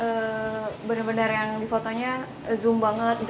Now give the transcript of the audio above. yang terus apa namanya benar benar yang di fotonya zoom banget